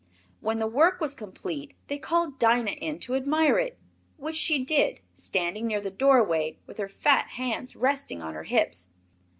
When the work was complete they called Dinah in to admire it, which she did standing near the doorway with her fat hands resting on her hips.